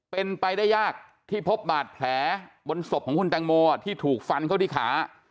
เป็นไปได้ยากที่พบบาดแผลบนศพของคุณแตงโมที่ถูกฟันเข้าที่ขา